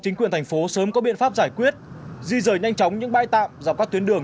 chính quyền thành phố sớm có biện pháp giải quyết di rời nhanh chóng những bãi tạm dọc các tuyến đường